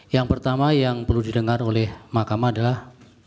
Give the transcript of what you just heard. yang pertama yang perlu didengar oleh mahkamah adalah